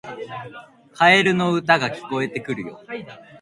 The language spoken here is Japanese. カエルの歌が聞こえてくるよ